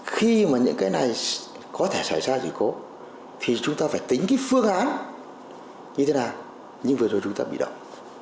khi mà những cái này có thể xảy ra sự cố thì chúng ta phải tính cái phương án như thế nào nhưng vừa rồi chúng ta bị động